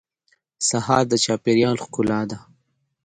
سهار د چاپېریال ښکلا ده.